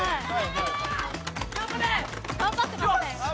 頑張ってますね。